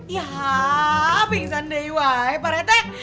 ya pingsan deh woy pak rt